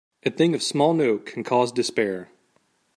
A thing of small note can cause despair.